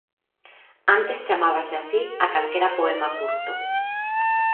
Antes chamábase así a calquera poema curto.